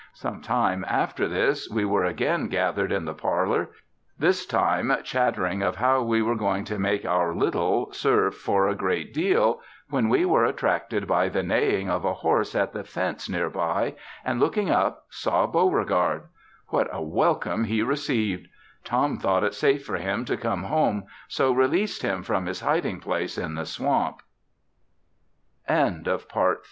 Some time after this we were again gathered in the parlor. This time chattering of how we were going to make our little serve for a great deal, when we were attracted by the neighing of a horse at the fence near by and looking up saw Beauregard. What a welcome he received. Tom thought it safe for him to come home so released him from his hiding place in the swamp. No. 280. REPORT OF BV'T.